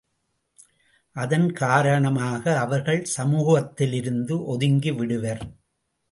அதன் காரணமாக அவர்கள் சமூகத்திலிருந்து ஒதுங்கிவிடுவர்.